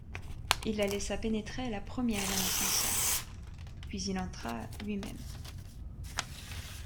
Il la laissa pénétrer la première dans l’ascenseur, puis il entra lui-même.